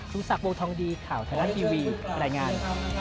สักวงทองดีข่าวไทยรัฐทีวีรายงาน